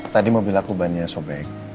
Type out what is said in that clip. tadi mobil aku bannya sobek